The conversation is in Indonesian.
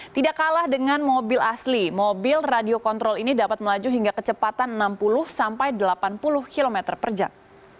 tidak kalah dengan mobil asli mobil radio kontrol ini dapat melaju hingga kecepatan enam puluh sampai delapan puluh km per jam